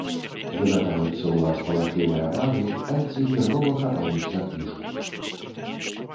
Вымятаюцца ўраз палахлівыя мары, пальцы нервова хапаюць за кніжку.